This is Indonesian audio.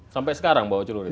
sampai sekarang bawa celurit